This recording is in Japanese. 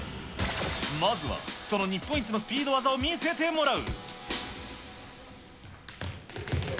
まずはその日本一のスピード技を見せてもらう。